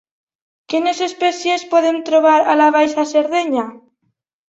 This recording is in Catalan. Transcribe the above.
Quines espècies podem trobar a la Baixa Cerdanya?